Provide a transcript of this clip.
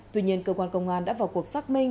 tuy nhiên cơ quan công an đã vào cuộc xác minh